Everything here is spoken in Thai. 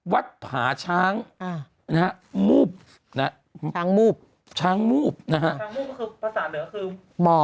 ผาช้างมูบนะฮะช้างมูบช้างมูบนะฮะช้างมูบคือภาษาเหนือคือหมอ